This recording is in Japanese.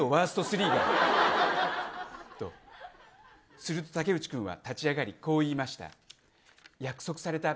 すると武内君は立ち上がりこう言いました。